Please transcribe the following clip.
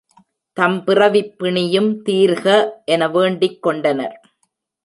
தம் பிறவிப் பிணியும் தீர்க என வேண்டிக் கொண்டனர்.